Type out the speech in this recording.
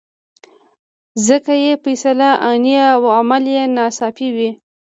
ځکه یې فیصله آني او عمل یې ناڅاپي وي.